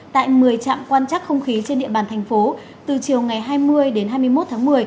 tại một mươi trạm quan chắc không khí trên địa bàn thành phố từ chiều ngày hai mươi đến hai mươi một tháng một mươi